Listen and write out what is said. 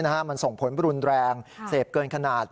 มันส่งผลรุนแรงเสพเกินขนาด